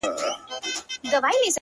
په وينو لژنده اغيار وچاته څه وركوي!